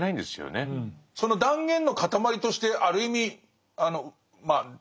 その断言の塊としてある意味まあ